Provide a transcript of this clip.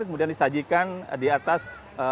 kemudian disajikan di atas